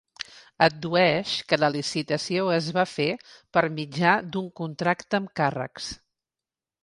Addueix que la licitació es va fer per mitjà d’un contracte amb càrrecs.